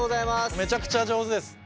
めちゃくちゃ上手です。